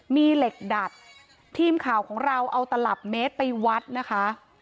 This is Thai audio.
มีเหล็กดัดทีมข่าวของเราเอาตลับเมตรไปวัดนะคะ